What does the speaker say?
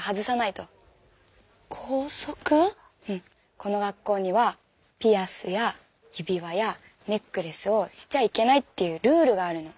この学校にはピアスや指輪やネックレスをしちゃいけないっていうルールがあるの。